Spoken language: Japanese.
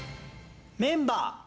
メンバー。